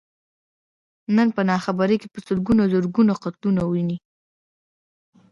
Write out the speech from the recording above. نن په ناخبرۍ کې په سلګونو او زرګونو قتلونه ويني.